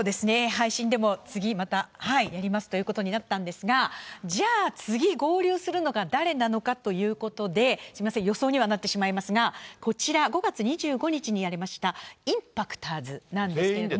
配信でも次またやりますということになったんですが、じゃあ、次、合流するのが誰なのかということで、すみません、予想にはなってしまいますが、こちら、５月２５日にやりました、インパクターズなんですけども。